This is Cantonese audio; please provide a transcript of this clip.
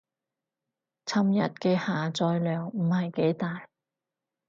尋日嘅下載量唔係幾大